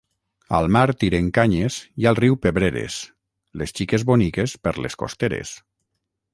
Al mar tiren canyes i al riu pebreres, les xiques boniques per les costeres.